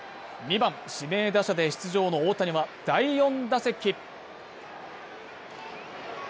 ２番・指名打者で出場の大谷は、第４打席。